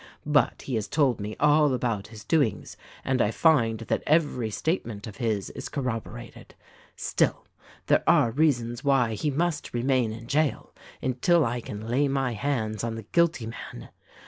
But he has told me all about his doings and I find that every statement of his is corroborated. Still there are reasons why he must remain in jail until I can lay my hands on the guilty man.